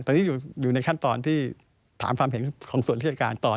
ตอนนี้อยู่ในขั้นตอนที่ถามความเห็นของส่วนราชการตอน